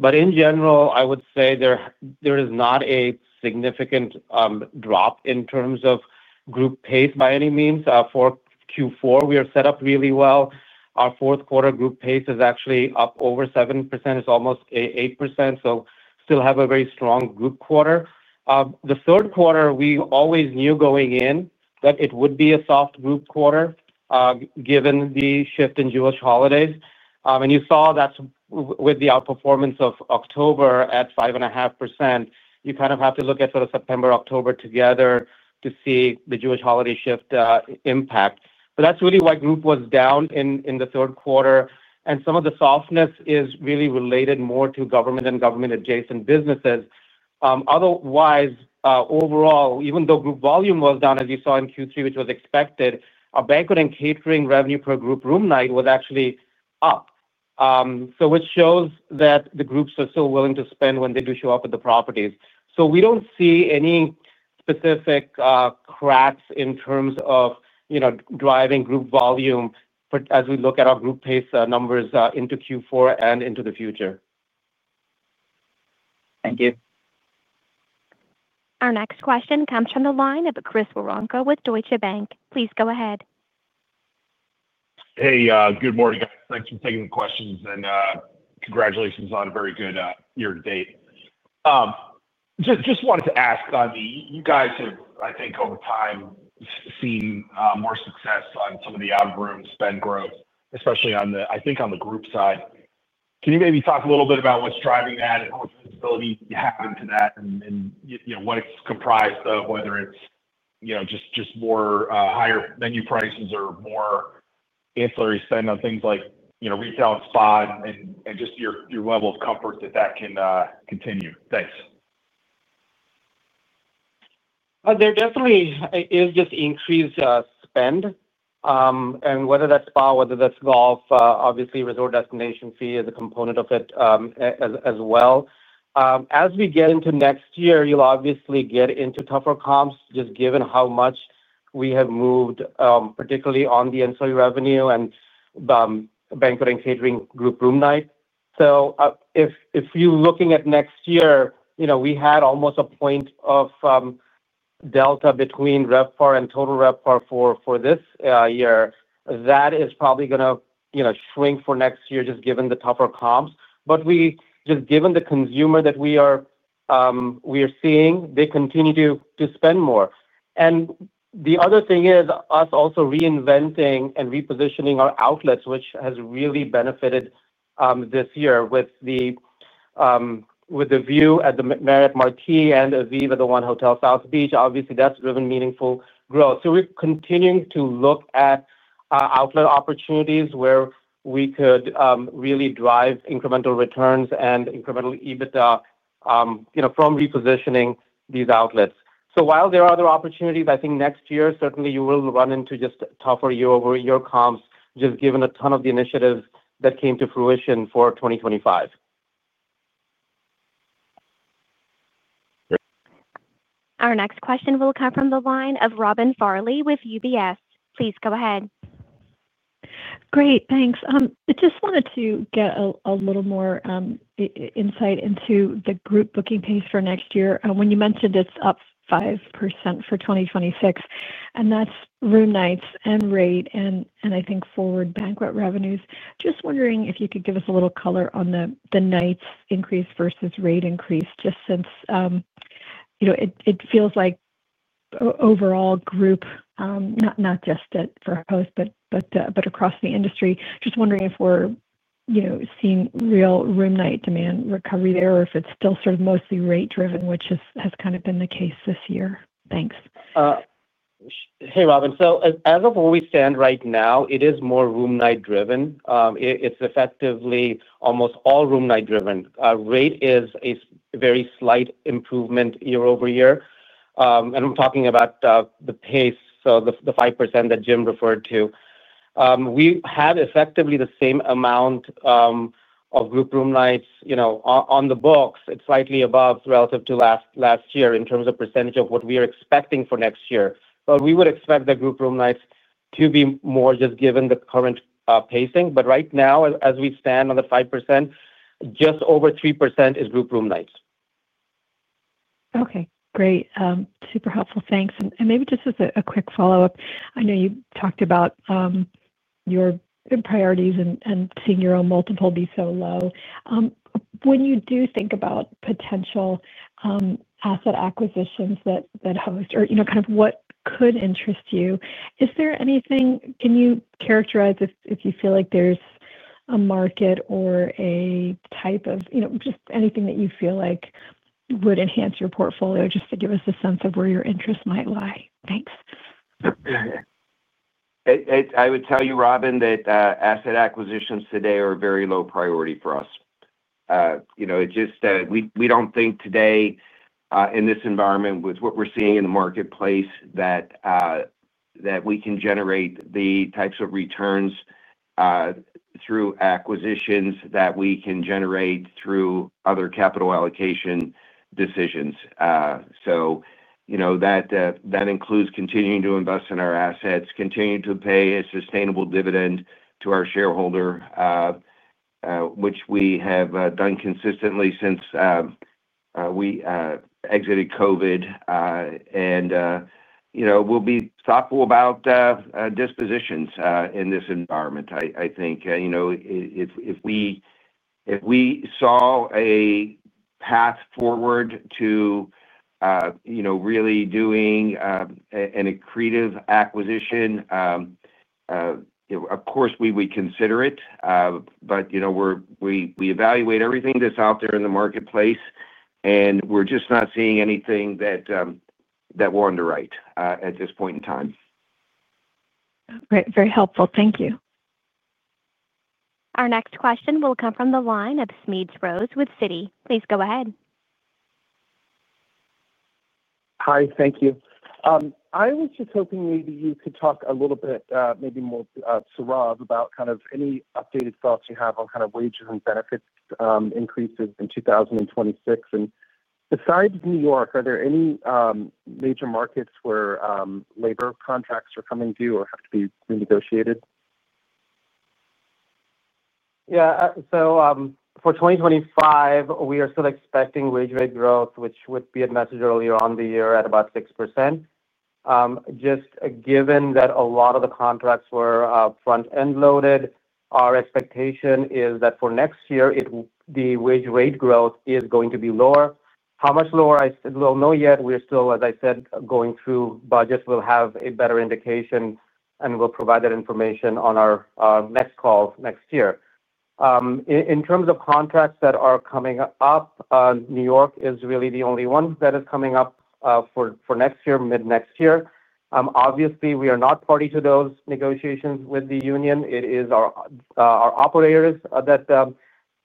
In general, I would say there is not a significant drop in terms of group pace by any means. For Q4, we are set up really well. Our fourth quarter group pace is actually up over 7%. It's almost 8%. Still have a very strong group quarter. The third quarter, we always knew going in that it would be a soft group quarter given the shift in Jewish holidays. You saw that with the outperformance of October at 5.5%. You kind of have to look at sort of September, October together to see the Jewish holiday shift impact. That is really why group was down in the third quarter. Some of the softness is really related more to government and government-adjacent businesses. Otherwise, overall, even though group volume was down, as you saw in Q3, which was expected, our banquet and catering revenue per group room night was actually up. That shows that the groups are still willing to spend when they do show up at the properties. We do not see any specific cracks in terms of, you know, driving group volume as we look at our group pace numbers into Q4 and into the future. Thank you. Our next question comes from the line of Chris Woronka with Deutsche Bank. Please go ahead. Hey, good morning, guys. Thanks for taking the questions and congratulations on a very good year to date. Just wanted to ask on the, you guys have, I think, over time seen more success on some of the out-of-room spend growth, especially on the, I think, on the group side. Can you maybe talk a little bit about what's driving that and what visibility you have into that and, you know, what it's comprised of, whether it's, you know, just more higher menu prices or more ancillary spend on things like, you know, retail and spa and just your level of comfort that that can continue? Thanks. There definitely is just increased spend. And whether that's spa, whether that's golf, obviously resort destination fee is a component of it as well. As we get into next year, you'll obviously get into tougher comps just given how much we have moved, particularly on the ancillary revenue and banquet and catering group room night. If you're looking at next year, you know, we had almost a point of delta between RevPAR and total RevPAR for this year. That is probably going to, you know, shrink for next year just given the tougher comps. We just, given the consumer that we are seeing, they continue to spend more. The other thing is us also reinventing and repositioning our outlets, which has really benefited this year with the view at the Marriott Marquis and Aviva at the 1 Hotel South Beach. Obviously, that's driven meaningful growth. We're continuing to look at outlet opportunities where we could really drive incremental returns and incremental EBITDA, you know, from repositioning these outlets. So while there are other opportunities, I think next year, certainly you will run into just tougher year-over-year comps just given a ton of the initiatives that came to fruition for 2025. Our next question will come from the line of Robin Farley with UBS. Please go ahead. Great. Thanks. I just wanted to get a little more insight into the group booking pace for next year. When you mentioned it's up 5% for 2026, and that's room nights and rate and I think forward banquet revenues, just wondering if you could give us a little color on the nights increase versus rate increase just since, you know, it feels like. Overall group. Not just for Host, but across the industry. Just wondering if we're, you know, seeing real room night demand recovery there or if it's still sort of mostly rate-driven, which has kind of been the case this year. Thanks. Hey, Robin. As of where we stand right now, it is more room night-driven. It's effectively almost all room night-driven. Rate is a very slight improvement year-over-year. I'm talking about the pace, so the 5% that Jim referred to. We had effectively the same amount of group room nights, you know, on the books. It's slightly above relative to last year in terms of percentage of what we are expecting for next year. We would expect the group room nights to be more just given the current pacing. Right now, as we stand on the 5%, just over 3% is group room nights. Okay. Great. Super helpful. Thanks. Maybe just as a quick follow-up, I know you talked about your priorities and seeing your own multiple be so low. When you do think about potential asset acquisitions that Host or, you know, kind of what could interest you, is there anything, can you characterize if you feel like there's a market or a type of, you know, just anything that you feel like would enhance your portfolio just to give us a sense of where your interest might lie? Thanks. I would tell you, Robin, that asset acquisitions today are a very low priority for us. You know, it just, we don't think today in this environment with what we're seeing in the marketplace that we can generate the types of returns through acquisitions that we can generate through other capital allocation decisions. You know, that. Includes continuing to invest in our assets, continuing to pay a sustainable dividend to our shareholder, which we have done consistently since we exited COVID. And, you know, we'll be thoughtful about dispositions in this environment. I think, you know, if we saw a path forward to, you know, really doing an accretive acquisition, of course, we would consider it. But, you know, we evaluate everything that's out there in the marketplace, and we're just not seeing anything that we'd underwrite at this point in time. Very helpful. Thank you. Our next question will come from the line of Smedes Rose with Citi. Please go ahead. Hi, thank you. I was just hoping maybe you could talk a little bit, maybe more Sourav, about kind of any updated thoughts you have on kind of wages and benefits increases in 2026. And besides New York, are there any. Major markets where labor contracts are coming due or have to be renegotiated? Yeah. For 2025, we are still expecting wage rate growth, which would be a message earlier on the year at about 6%. Just given that a lot of the contracts were front-end loaded, our expectation is that for next year, the wage rate growth is going to be lower. How much lower, I do not know yet. We are still, as I said, going through budgets. We will have a better indication and we will provide that information on our next call next year. In terms of contracts that are coming up, New York is really the only one that is coming up for next year, mid-next year. Obviously, we are not party to those negotiations with the union. It is our operators that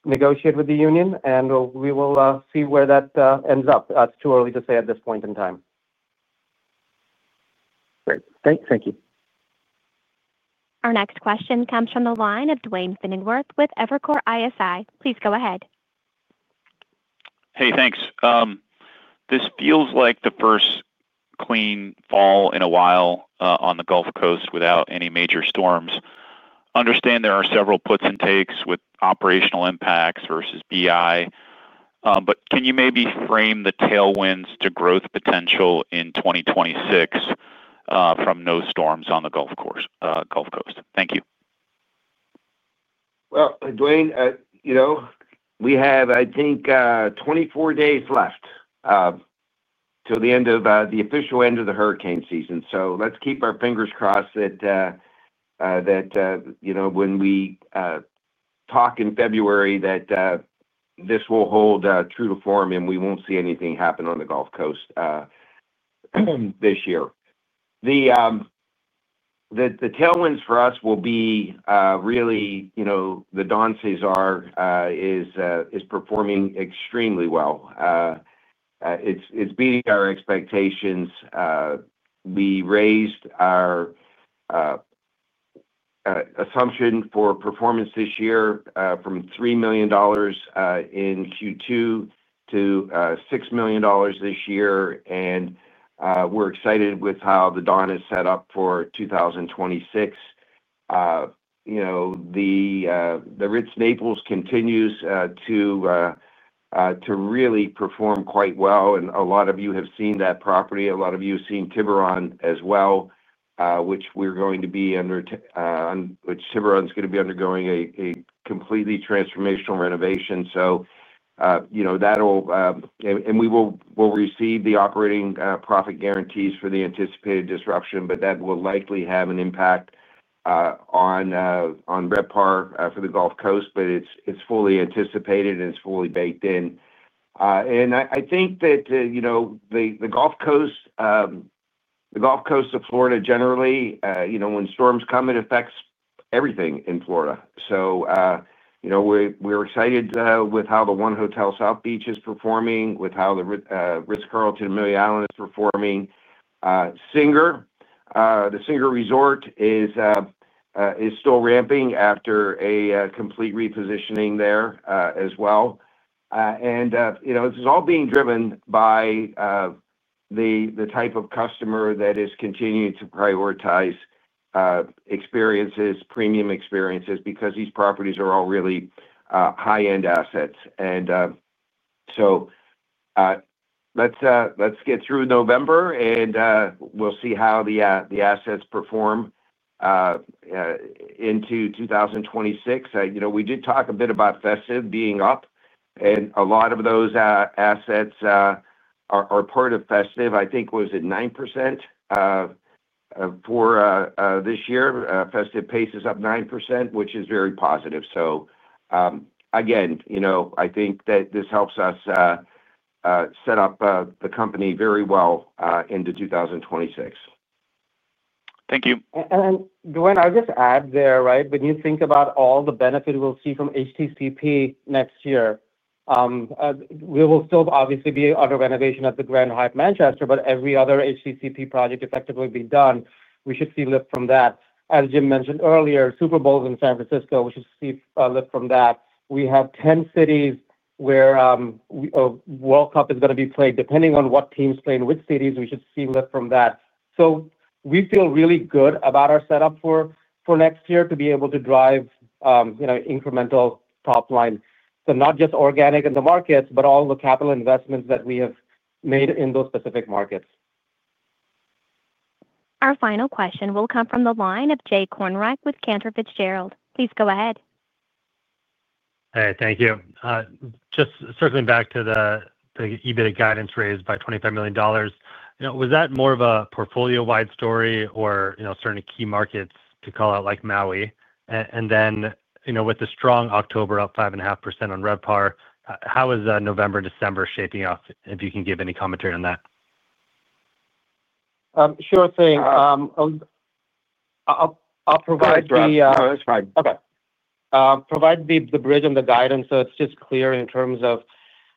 negotiate with the union, and we will see where that ends up. It's too early to say at this point in time. Great. Thank you. Our next question comes from the line of Duane Pfennigwerth with Evercore ISI. Please go ahead. Hey, thanks. This feels like the first clean fall in a while on the Gulf Coast without any major storms. Understand there are several puts and takes with operational impacts versus BI. But can you maybe frame the tailwinds to growth potential in 2026 from no storms on the Gulf Coast? Thank you. Duane, you know, we have, I think, 24 days left to the end of the official end of the hurricane season. Let's keep our fingers crossed that, you know, when we talk in February that this will hold true to form and we won't see anything happen on the Gulf Coast this year. The tailwinds for us will be really, you know, The Don CeSar is. Performing extremely well. It's beating our expectations. We raised our assumption for performance this year from $3 million in Q2 to $6 million this year. We're excited with how the Don is set up for 2026. You know, the Ritz Naples continues to really perform quite well. A lot of you have seen that property. A lot of you have seen Tiburón as well, which Tiburón is going to be undergoing a completely transformational renovation. You know, that will, and we will receive the operating profit guarantees for the anticipated disruption, but that will likely have an impact on RevPAR for the Gulf Coast, but it's fully anticipated and it's fully baked in. I think that, you know, the Gulf Coast, the Gulf Coast of Florida generally, you know, when storms come, it affects everything in Florida. You know, we're excited with how the 1 Hotel South Beach is performing, with how the Ritz-Carlton Amelia Island is performing. The Singer Resort is still ramping after a complete repositioning there as well. You know, this is all being driven by the type of customer that is continuing to prioritize experiences, premium experiences, because these properties are all really high-end assets. Let's get through November and we'll see how the assets perform into 2026. You know, we did talk a bit about festive being up, and a lot of those assets are part of festive. I think it was at 9% for this year. Festive pace is up 9%, which is very positive. Again, you know, I think that this helps us set up the company very well into 2026. Thank you. Duane, I'll just add there, right? When you think about all the benefits we'll see from HTCP next year. We will still obviously be under renovation at the Grand Hyatt Manchester, but every other HTCP project effectively will be done. We should see lift from that. As Jim mentioned earlier, Super Bowl in San Francisco, we should see a lift from that. We have 10 cities where a World Cup is going to be played. Depending on what teams play in which cities, we should see lift from that. We feel really good about our setup for next year to be able to drive, you know, incremental top line. Not just organic in the markets, but all the capital investments that we have made in those specific markets. Our final question will come from the line of Jay Kornreich with Cantor Fitzgerald. Please go ahead. Thank you. Just circling back to the EBITDA guidance raised by $25 million. You know, was that more of a portfolio-wide story or, you know, certain key markets to call out like Maui? And then, you know, with the strong October up 5.5% on RevPAR, how is November, December shaping up? If you can give any commentary on that. Sure thing. I'll provide the— That's fine. Okay. Provide the bridge on the guidance so it's just clear in terms of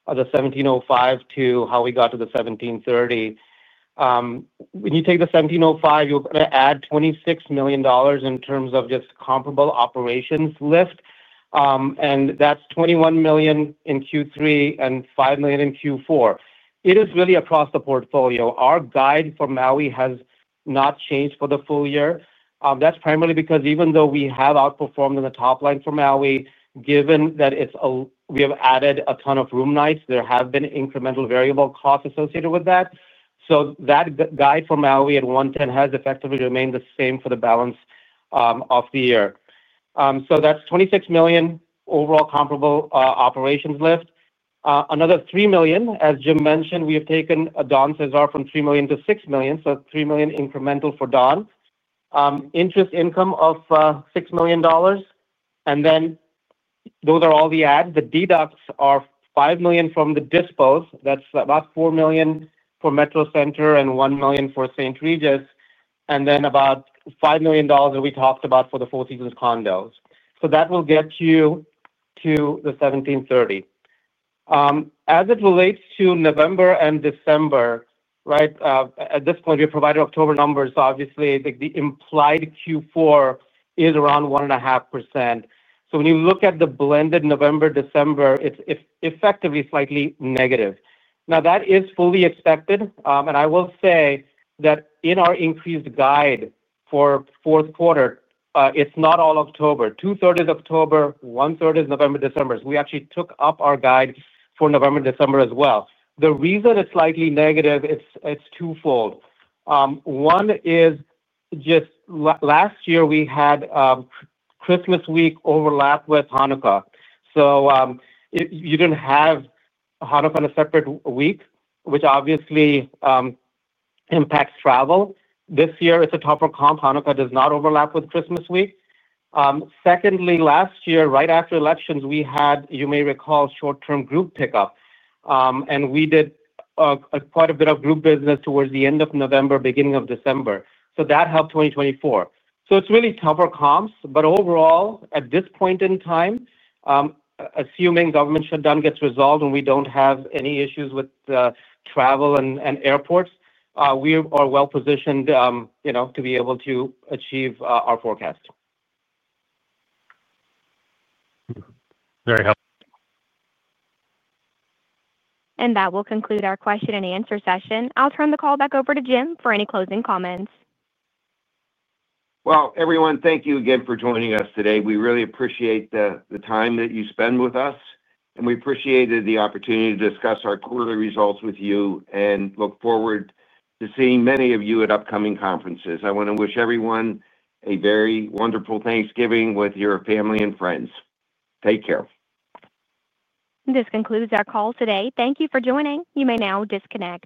the 1705 to how we got to the 1730. When you take the 1705, you're going to add $26 million in terms of just comparable operations lift. And that's $21 million in Q3 and $5 million in Q4. It is really across the portfolio. Our guide for Maui has not changed for the full year. That's primarily because even though we have outperformed in the top line for Maui, given that we have added a ton of room nights, there have been incremental variable costs associated with that. That guide for Maui at $110 has effectively remained the same for the balance of the year. That's $26 million overall comparable operations lift. Another $3 million, as Jim mentioned, we have taken The Don CeSar from $3 million to $6 million, so $3 million incremental for Don. Interest income of $6 million. Those are all the adds. The deducts are $5 million from the dispos. That's about $4 million for Metro Center and $1 million for St. Regis. Then about $5 million that we talked about for the Four Seasons condos. That will get you to the $1,730. As it relates to November and December. Right? At this point, we provided October numbers. Obviously, the implied Q4 is around 1.5%. When you look at the blended November, December, it is effectively slightly negative. That is fully expected. I will say that in our increased guide for fourth quarter, it is not all October. Two-thirds is October, one-third is November, December. We actually took up our guide for November, December as well. The reason it is slightly negative, it is twofold. One is just last year we had Christmas week overlap with Hanukkah. You did not have Hanukkah in a separate week, which obviously impacts travel. This year, it is a tougher comp. Hanukkah does not overlap with Christmas week. Secondly, last year, right after elections, we had, you may recall, short-term group pickup. We did quite a bit of group business towards the end of November, beginning of December. That helped 2024. It is really tougher comps. But overall, at this point in time, assuming government shutdown gets resolved and we do not have any issues with travel and airports, we are well positioned, you know, to be able to achieve our forecast. Very helpful. That will conclude our question-and-answer session. i will turn the call back over to Jim for any closing comments. Everyone, thank you again for joining us today. We really appreciate the time that you spend with us, and we appreciate the opportunity to discuss our quarterly results with you and look forward to seeing many of you at upcoming conferences. I want to wish everyone a very wonderful Thanksgiving with your family and friends. Take care. This concludes our call today. Thank you for joining. You may now disconnect.